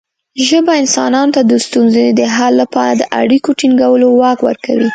ژبه انسانانو ته د ستونزو د حل لپاره د اړیکو ټینګولو واک ورکوي.